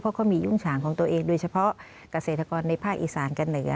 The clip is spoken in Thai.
เพราะเขามียุ่งฉางของตัวเองโดยเฉพาะเกษตรกรในภาคอีสานกับเหนือ